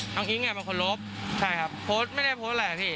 น้องอิ้งเนี่ยเป็นคนลบใช่ครับโพสต์ไม่ได้โพสต์อะไรหรอกพี่